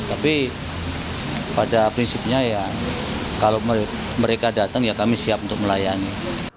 tapi pada prinsipnya ya kalau mereka datang ya kami siap untuk melayani